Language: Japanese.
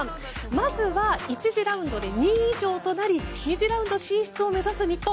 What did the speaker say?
まずは１次ラウンドで２位以上となり２次ラウンド進出を目指す日本。